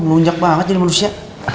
melunjak banget ini manusia